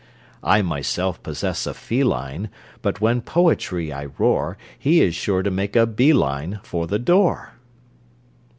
(I myself possess a feline, But when poetry I roar He is sure to make a bee line For the door.)